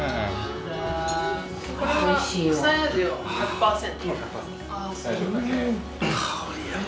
・これはくさや塩１００％。